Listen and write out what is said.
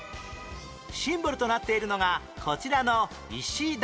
シンボルとなっているのがこちらの石段